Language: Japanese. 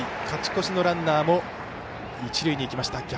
勝ち越しのランナーも一塁に行きました。